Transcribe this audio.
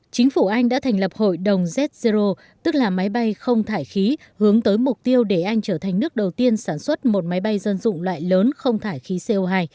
chính phủ anh đã thành lập hội đồng zero tức là máy bay không thải khí hướng tới mục tiêu để anh trở thành nước đầu tiên sản xuất một máy bay dân dụng loại lớn không thải khí co hai